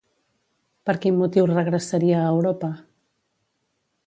Per quin motiu regressaria a Europa?